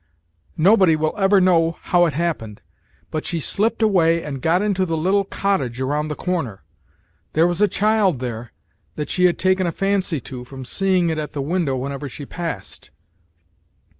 Nobody will ever know how it happened, but she slipped away and got into the little cottage around the corner. There was a child there that she had taken a fancy to from seeing it at the window whenever she passed.